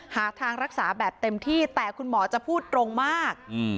หาทางรักษาแบบเต็มที่แต่คุณหมอจะพูดตรงมาก